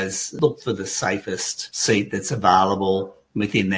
sama juga mencari penyelamatan yang paling aman